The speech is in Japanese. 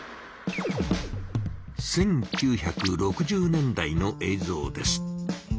１９６０年代のえいぞうです。